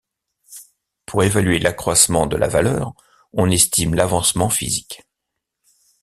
Pour évaluer l'accroissement de la valeur, on estime l'avancement physique.